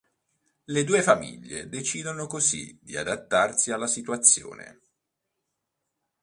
Le due famiglie decidono così di adattarsi alla situazione.